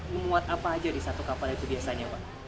menguat apa saja di satu kapal itu biasanya pak